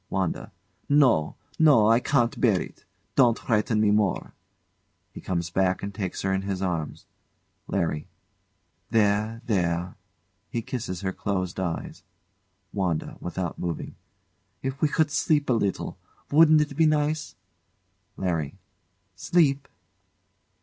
] WANDA. No, no! I can't bear it! Don't frighten me more! [He comes back and takes her in his arms.] LARRY. There, there! [He kisses her closed eyes.] WANDA. [Without moving] If we could sleep a little wouldn't it be nice? LARRY. Sleep?